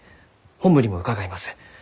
本部にも伺います。